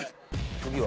次は。